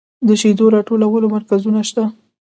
د شیدو راټولولو مرکزونه شته